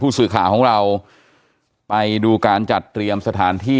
สื่อข่าวของเราไปดูการจัดเตรียมสถานที่